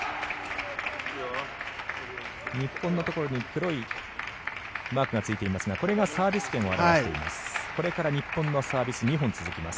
日本のところに黒いマークがついていますがこれがサービス権を表しています。